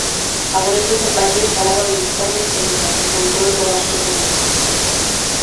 Agora o seu compañeiro falaba do Informe Fedea, de control do gasto público.